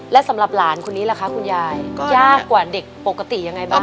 และสำหรับหลานคนนี้ล่ะคะคุณยายยากกว่าเด็กปกติยังไงบ้าง